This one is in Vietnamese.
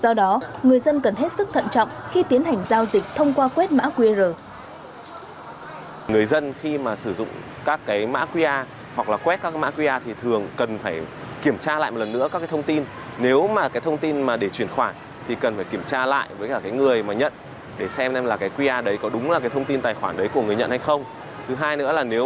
do đó người dân cần hết sức thận trọng khi tiến hành giao dịch thông qua quét mã qr